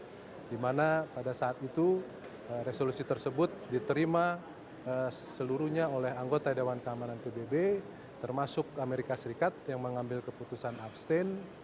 tahu sembilan belas delapan puluh dimana pada saat itu resolusi tersebut diterima seluruhnya oleh anggota dewan keamanan pbb termasuk amerika serikat yang mengambil keputusan abstain